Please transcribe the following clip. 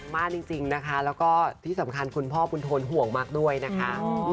มากจริงนะคะแล้วก็ที่สำคัญคุณพ่อบุญโทนห่วงมากด้วยนะคะ